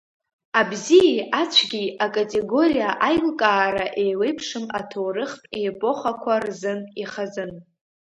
Абзиеи ацәгьеи акатегориа аилкаара еиуеиԥшым аҭоурыхтә епохақәа рзын ихазын.